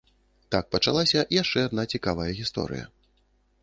Так пачалася яшчэ адна цікавая гісторыя.